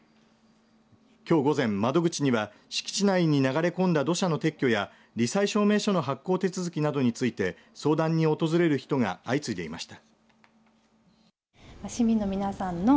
きょう午前、窓口には敷地内に流れ込んだ土砂の撤去やり災証明書の発行手続きなどについて相談に訪れる人が相次いでいました。